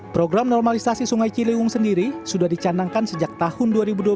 program normalisasi sungai ciliwung sendiri sudah dicanangkan sejak tahun dua ribu dua puluh